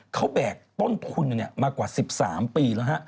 เขาแบกต้นทุนมากว่า๑๓ปีแล้วฮะ